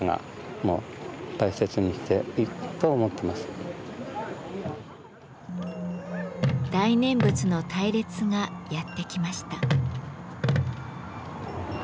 私たちは大念仏の隊列がやって来ました。